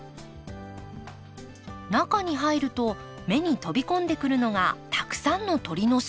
中に入ると目に飛び込んでくるのがたくさんの鳥の巣箱。